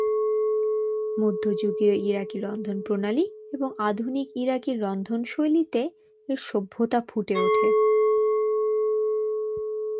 মধ্যযুগীয় ইরাকী রন্ধনপ্রণালী এবং আধুনিক ইরাকী রন্ধনশৈলীতে এর সত্যতা ফুটে ওঠে।